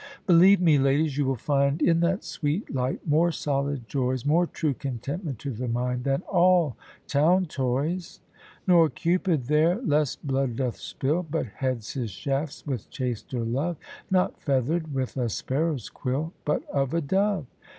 Believe me, ladies, you will find In that sweet light more solid joys, More true contentment to the mind Than all town toys. Nor Cupid there less blood doth spill, But heads his shafts with chaster love, Not feather'd with a sparrow's quill, But of a dove.